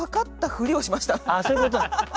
あそういうこと。